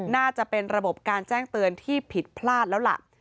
น่าจะเป็นระบบการแจ้งเตือนที่ผิดพลาดแล้วล่ะ